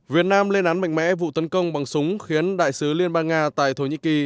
việt nam lên án mạnh mẽ vụ tấn công bằng súng khiến đại sứ liên bang nga tại thổ nhĩ kỳ